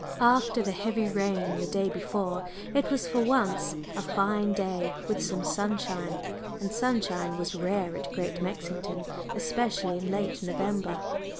After the heavy rain the day before, it was for once a fine day, with some sunshine. And sunshine was rare at Great Mexington, especially in late November.